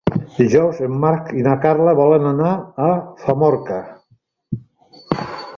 Dijous en Marc i na Carla volen anar a Famorca.